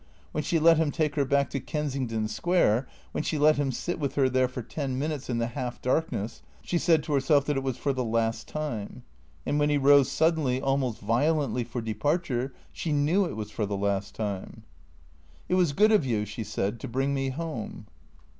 When she let him take her back to Kensington Square, when she let him sit with her there for ten minutes in the half darkness, she said to herself that it was for the last time. And when he rose suddenly, almost violently, for departure, she knew it was for the last time. " It was good of you," she said, " to bring me home."